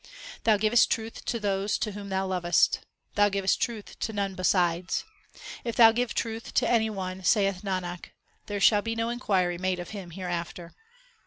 Thou givest truth to those whom Thou lovest ; Thou givest truth to none besides. If Thou give truth to any one, saith Nanak, there shall be no inquiry made of him hereafter.